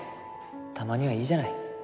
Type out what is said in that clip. たまには、いいじゃない。